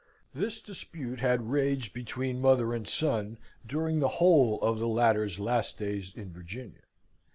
This dispute had raged between mother and son during the whole of the latter's last days in Virginia.